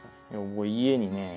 僕家にね